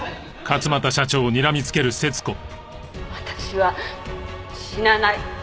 私は死なない。